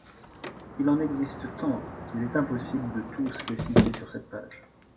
Il en existe tant qu'il est impossible de tous les citer sur cette page.